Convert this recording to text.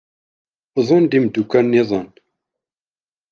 Wwḍen-d imddukal-nniḍen.